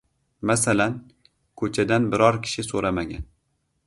Masalan, ko‘chadan biror kishi so‘ramagan.